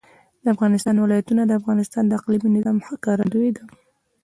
د افغانستان ولايتونه د افغانستان د اقلیمي نظام ښکارندوی ده.